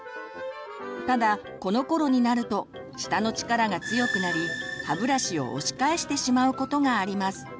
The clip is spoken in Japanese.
ただこのころになると舌の力が強くなり歯ブラシを押し返してしまうことがあります。